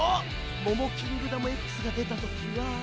モモキングダムＸが出たときは。